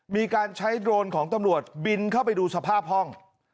มีการใช้โดรนของตำรวจบินเข้าไปดูสภาพห้อง